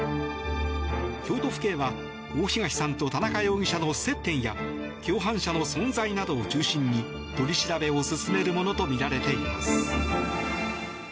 京都府警は大東さんと田中容疑者の接点や共犯者の存在などを中心に取り調べを進めるものとみられています。